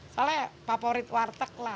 soalnya favorit warteg lah